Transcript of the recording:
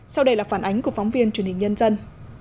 sau đây là phản ánh của phóng viên truyền hình nhân dân